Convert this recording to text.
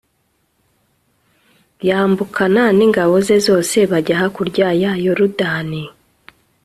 yambukana n'ingabo ze zose bajya hakurya ya yorudani